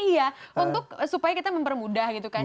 iya untuk supaya kita mempermudah gitu kan